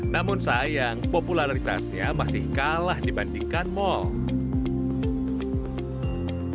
namun sayang popularitasnya masih kalah dibandingkan mall